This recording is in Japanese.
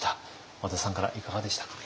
和田さんからいかがでしたか？